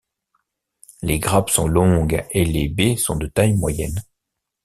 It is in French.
Les grappes sont longues et les baies sont de taille moyenne.